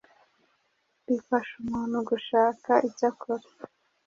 bifasha umuntu gushaka icyakorwa